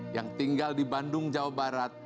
yang tinggal di bandung jawa barat